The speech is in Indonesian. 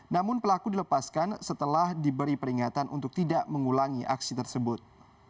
namun pelaku dilepaskan setelah diberi peringatan untuk tidak mengulangi aksi tersebut